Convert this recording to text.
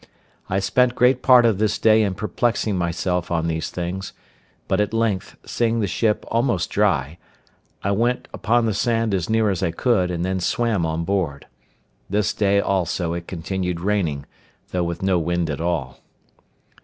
I spent great part of this day in perplexing myself on these things; but at length, seeing the ship almost dry, I went upon the sand as near as I could, and then swam on board. This day also it continued raining, though with no wind at all.